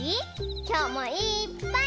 きょうもいっぱい。